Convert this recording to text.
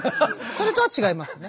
それとは違いますね？